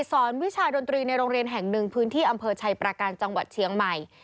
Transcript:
สอนวิชาดนตรีในโรงเรียนแห่งหนึ่งพื้นที่อำเภอชัยประการจังหวัดเชียงใหม่